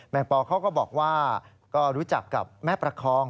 ปอเขาก็บอกว่าก็รู้จักกับแม่ประคอง